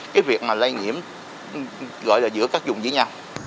cái việc mà lây nhiễm gọi là giữa các vùng với nhau